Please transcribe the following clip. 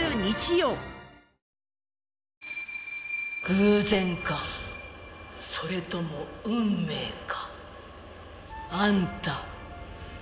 偶然かそれとも運命か。